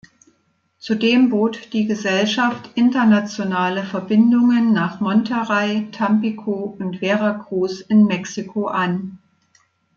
Zudem bot die Gesellschaft internationale Verbindungen nach Monterrey, Tampico und Veracruz in Mexiko an.